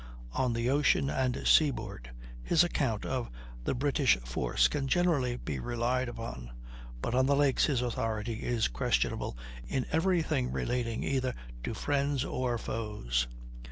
On the ocean and seaboard his account of the British force can generally be relied upon; but on the lakes his authority is questionable in every thing relating either to friends or foes.